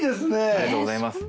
ありがとうございます。